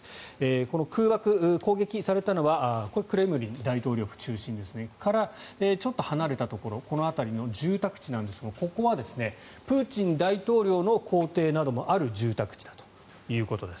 この空爆、攻撃されたのはこれはクレムリン大統領府中心からちょっと離れたところこの辺りの住宅地なんですがここはプーチン大統領の公邸などもある住宅地だということです。